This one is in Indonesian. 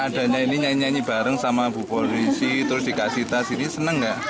adanya ini nyanyi nyanyi bareng sama bu polisi terus dikasih tas ini senang gak